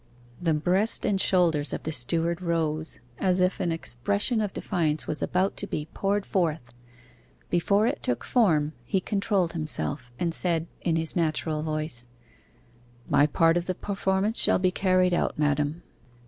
The breast and shoulders of the steward rose, as if an expression of defiance was about to be poured forth; before it took form, he controlled himself and said, in his natural voice 'My part of the performance shall be carried out, madam.